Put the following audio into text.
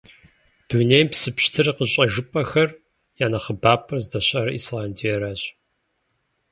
Дунейм псы пщтыр къыщӀэжыпӀэхэм я нэхъыбапӀэр здэщыӀэр Исландиеращ.